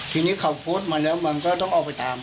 ทีนี้เขาโพสต์มาแล้วมันก็ต้องออกไปตาม